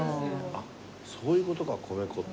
あっそういう事か米粉って。